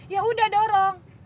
ya udah dorong